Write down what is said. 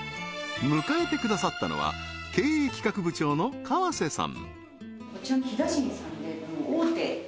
迎えてくださったのは経営企画部長の河瀬さん